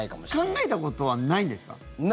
考えたことはないんですか？